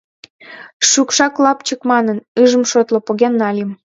Шӱкшак лапчык манын, ыжым шотло, поген нальым.